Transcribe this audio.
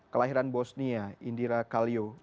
kelahiran bosnia indira kallio